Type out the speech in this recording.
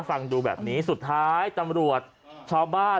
ฟังดูแบบนี้สุดท้ายตำรวจชาวบ้าน